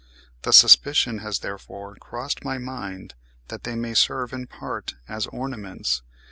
The suspicion has therefore crossed my mind that they may serve in part as ornaments.